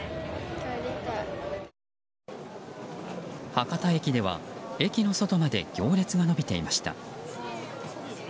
博多駅では駅の外まで行列が延びていました。